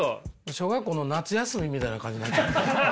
小学校の夏休みみたいな感じになって。